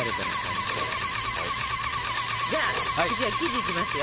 じゃあ次は生地いきますよ。